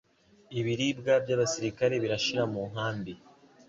Ibiribwa byabasirikare birashira mu nkambi.